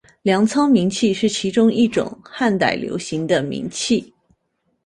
粮仓明器是其中一种汉代流行的明器。